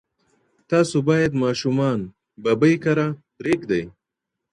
تاسو باید ماشومان ببۍ کره پرېږدئ.